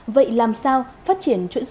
vậy làm sao phát triển chuỗi du lịch